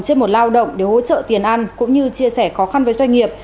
trên một lao động để hỗ trợ tiền ăn cũng như chia sẻ khó khăn với doanh nghiệp